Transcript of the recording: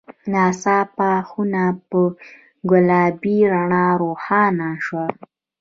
ناڅاپه خونه په ګلابي رڼا روښانه شوه.